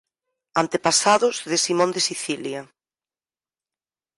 Antepasados de Simón de Sicilia